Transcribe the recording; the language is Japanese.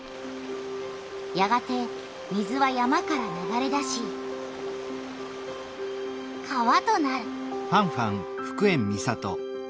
やがて水は山から流れ出し川となる。